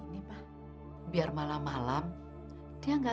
essa ph bapak mada ini